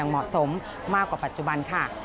เหมาะสมมากกว่าปัจจุบันค่ะ